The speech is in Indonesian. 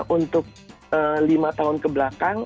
untuk lima tahun kebelakang